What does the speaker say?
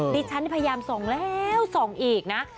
ดิฉันพยายามส่องแล้วส่องอีกนะ